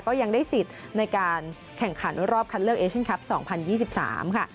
ก็ยังได้สิทธิ์ในการแข่งขันรอบคัดเลือกเอเชียนคลับ๒๐๒๓ค่ะ